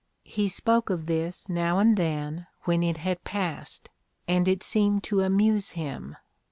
He spoke of this now and then when it had passed, and it seemed to amuse him.